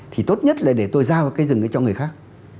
thì tốt nhất là để tôi giao cái rừng cho người khác